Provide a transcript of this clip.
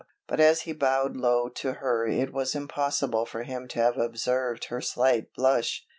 But as he bowed low to her it was impossible for him to have observed her slight blush.